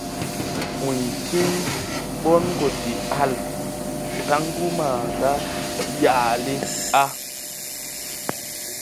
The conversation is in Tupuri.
‘ũy tiŋ ɓɔŋ gɔ de-al taŋgu maaga yaale a.